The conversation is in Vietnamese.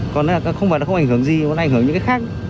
còn không phải nó không ảnh hưởng gì